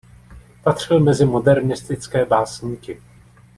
Patřil mezi modernistické básníky.